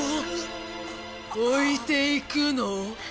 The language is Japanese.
「置いていくの？」